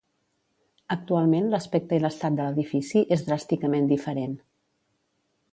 Actualment l'aspecte i l'estat de l'edifici és dràsticament diferent.